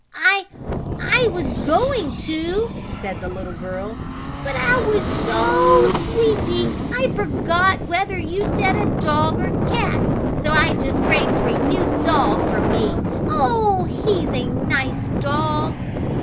I I was going to," said the little girl, "but I was so sleepy I forgot whether you said a dog or a cat, so I just prayed for a new doll for me. Oh, he's a nice dog!"